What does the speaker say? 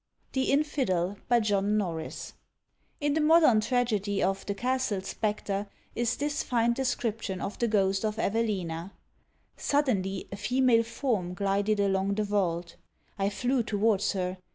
The Infidel, by JOHN NORRIS. In the modern tragedy of The Castle Spectre is this fine description of the ghost of Evelina: "Suddenly a female form glided along the vault. I flew towards her.